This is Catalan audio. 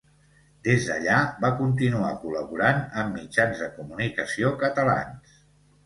Des d'allà va continuar col·laborant amb mitjans de comunicació catalans.